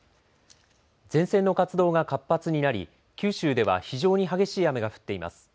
前線の活動が活発になり九州では非常に激しい雨が降っています。